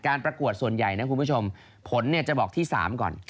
ประกวดส่วนใหญ่นะคุณผู้ชมผลจะบอกที่๓ก่อน